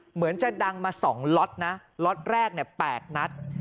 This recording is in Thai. เหมือนจะดังมา๒ล็อตนะล็อตแรก๘นัด